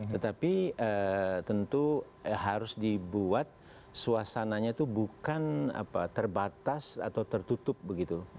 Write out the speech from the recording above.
tetapi tentu harus dibuat suasananya itu bukan terbatas atau tertutup begitu